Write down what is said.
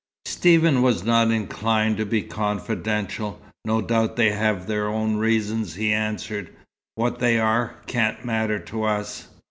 Stephen was not inclined to be confidential. "No doubt they have their own reasons," he answered. "What they are, can't matter to us."